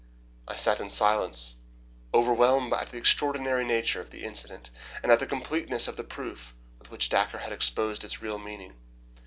I sat in silence, overwhelmed at the extraordinary nature of the incident, and at the completeness of the proof with which Dacre had exposed its real meaning.